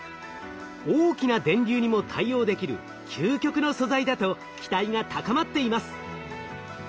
大きな電流にも対応できる究極の素材だと期待が高まっています。